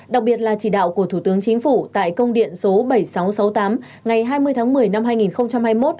đặc biệt là chỉ đạo của thủ tướng chính phủ tại công điện số bảy nghìn sáu trăm sáu mươi tám ngày hai mươi tháng một mươi năm hai nghìn hai mươi một